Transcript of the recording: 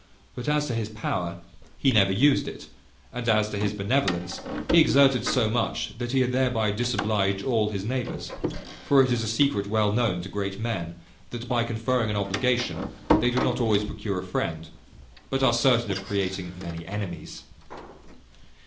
But as to his power, he never used it; and as to his benevolence, he exerted so much, that he had thereby disobliged all his neighbours; for it is a secret well known to great men, that, by conferring an obligation, they do not always procure a friend, but are certain of creating many enemies.